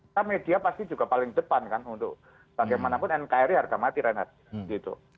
kita media pasti juga paling depan kan untuk bagaimanapun nkri harga mati renat gitu